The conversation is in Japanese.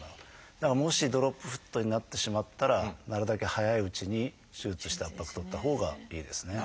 だからもしドロップフットになってしまったらなるだけ早いうちに手術して圧迫取ったほうがいいですね。